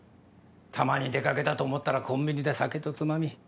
たまに出かけたと思ったらコンビニで酒とつまみ。